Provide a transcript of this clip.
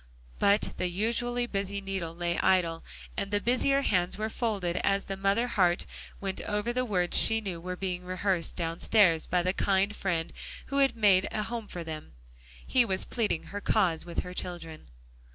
But the usually busy needle lay idle, and the busier hands were folded, as the mother heart went over the words she knew were being rehearsed downstairs by the kind friend who had made a home for them. He was pleading her cause with her children.